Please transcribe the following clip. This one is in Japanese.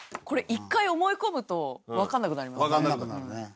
これ一回思い込むとわかんなくなりますね。